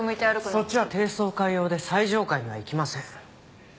そっちは低層階用で最上階には行きません。